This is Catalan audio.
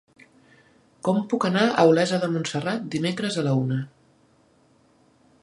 Com puc anar a Olesa de Montserrat dimecres a la una?